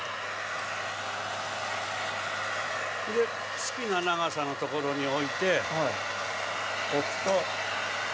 好きな長さのところに置いて、置くと。